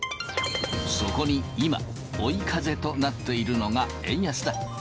そこに今、追い風となっているのが円安だ。